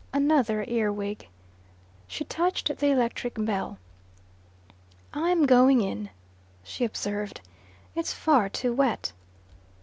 Another earwig. She touched the electric bell. "I'm going in," she observed. "It's far too wet."